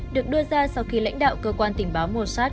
được đưa ra sau khi lãnh đạo cơ quan tình báo mossad